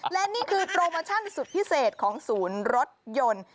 และนี่คือโปรโมชั่นสุดพิเศษของศูนย์รถยนต์